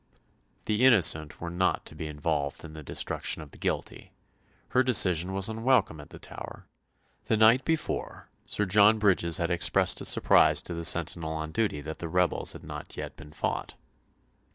The innocent were not to be involved in the destruction of the guilty. Her decision was unwelcome at the Tower. The night before Sir John Bridges had expressed his surprise to the sentinel on duty that the rebels had not yet been fought.